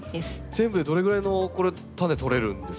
全部でどれぐらいのこれタネ取れるんですか？